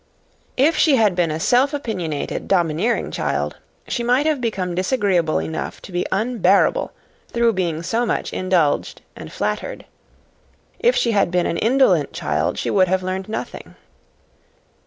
If she had been a self opinionated, domineering child, she might have become disagreeable enough to be unbearable through being so much indulged and flattered. If she had been an indolent child, she would have learned nothing.